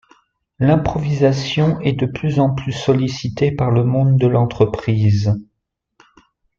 L'improvisation est de plus en plus sollicitée par le monde de l'entreprise.